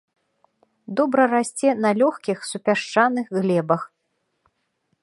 Добра расце на лёгкіх супясчаных глебах.